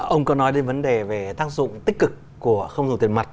ông có nói đến vấn đề về tác dụng tích cực của không dùng tiền mặt